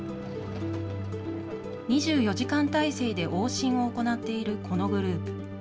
２４時間態勢で往診を行っているこのグループ。